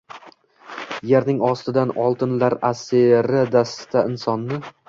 Yerning ostinda oltinlar asiri-dasti-insoni